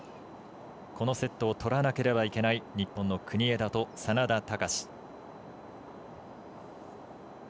このセットを取らなければいけない日本の国枝と眞田卓。